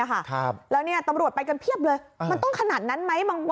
เฮ้ยนี่สำหรัวออกมาอย่าให้ต้องเข้าไปเองเออ